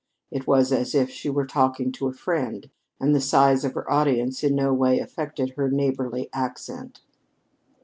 It was as if she were talking to a friend, and the size of her audience in no way affected her neighborly accent.